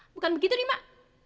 bukan begitu nih mak